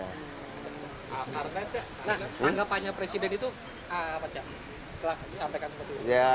karena cak tanggapannya presiden itu apa cak setelah disampaikan seperti itu